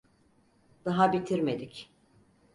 Daha bitirmedik.